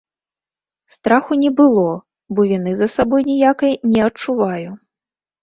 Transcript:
Страху не было, бо віны за сабой ніякай не адчуваю.